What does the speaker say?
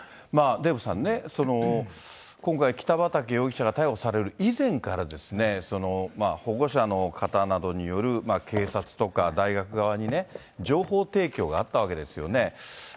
デーブさんね、今回、北畠容疑者が逮捕される以前から、保護者の方などによる、警察とか、大学側にね、情報提供があったわけですよね。